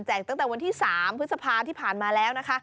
ตั้งแต่วันที่๓พฤษภาที่ผ่านมาแล้วนะคะ